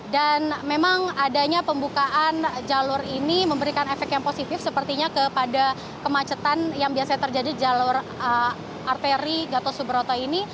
dan memang adanya pembukaan jalur ini memberikan efek yang positif sepertinya kepada kemacetan yang biasa terjadi di jalur arteri gatot subroto ini